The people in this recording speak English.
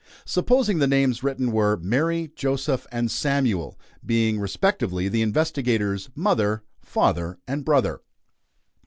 Supposing the names written were Mary, Joseph, and Samuel, being, respectively, the investigator's mother, father, and brother.